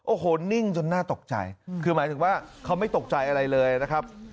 โอ้โห้นิ่งจนหน้าตกใจคือหมายถึงว่า